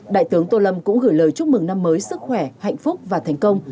đại tướng tô lâm cũng gửi lời chúc mừng năm mới sức khỏe hạnh phúc và thành công